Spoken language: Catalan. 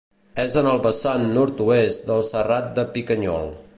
És en el vessant nord-oest del Serrat de Picanyol.